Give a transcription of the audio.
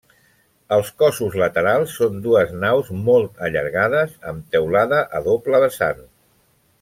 Els cossos laterals són dues naus molt allargades amb teulada a doble vessant.